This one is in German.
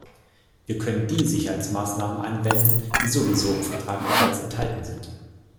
Wir können die Sicherheitsmaßnahmen anwenden, die sowieso im Vertrag bereits enthalten sind.